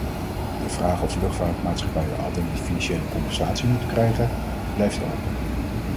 De vraag of luchtvaartmaatschappijen al dan niet financiële compensatie moeten krijgen, blijft open.